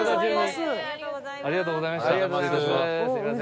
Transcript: ありがとうございます。